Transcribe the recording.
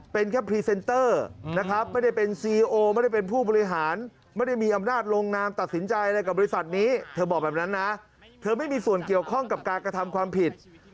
เป็นแค่พรีเซนเตอร์นะครับ